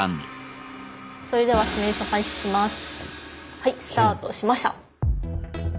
はいスタートしました。